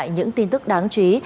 để tìm lại những tin tức đáng chú ý